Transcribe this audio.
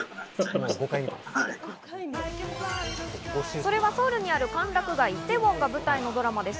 それはソウルにある歓楽街・イテウォンが舞台のドラマです。